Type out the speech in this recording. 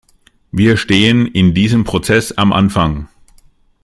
Wir stehen in diesem Prozess am Anfang.